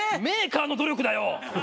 メーカーの努力だよ！